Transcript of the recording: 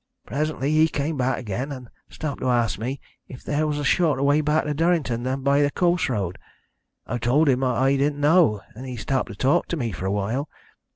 Presently he came back again, and stopped to ask me if there was a shorter way back to Durrington than by the coast road. I told him I didn't know, and he stopped to talk to me for a while.